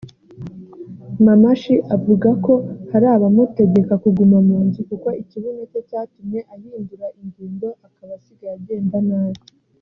Mamashi avuga ko hari abamutegeka kuguma mu nzu kuko ikibuno cye cyatumye ahindura ingendo akaba asigaye agenda nabi